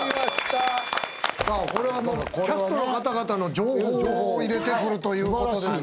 これはキャストの方々の情報を入れてくるということでしたけど。